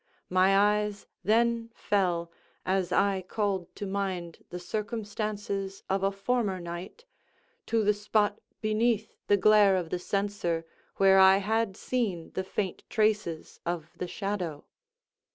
My eyes then fell, as I called to mind the circumstances of a former night, to the spot beneath the glare of the censer where I had seen the faint traces of the shadow.